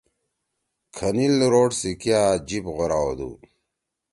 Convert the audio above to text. کھنِل روڈ سی کیا جیِپ غورا ہودُو۔